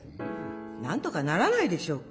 なんとかならないでしょうか。